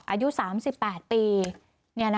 อายุ๓๘ปี